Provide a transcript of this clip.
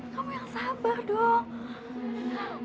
kamu yang sabar dong